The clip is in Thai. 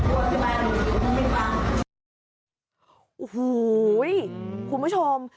โอ้โหคุณผู้ชม